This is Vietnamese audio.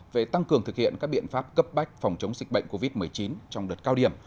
về tăng cường thực hiện các biện pháp cấp bách phòng chống dịch bệnh covid một mươi chín trong đợt cao điểm